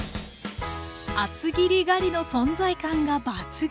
厚切りガリの存在感が抜群！